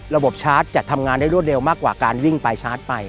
ระบบชาร์จจะทำงานได้รวดเร็วมากกว่าการวิ่งไปชาร์จไป